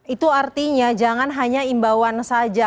itu artinya jangan hanya imbauan saja